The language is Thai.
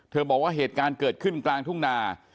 บอกว่าเหตุการณ์เกิดขึ้นกลางทุ่งนา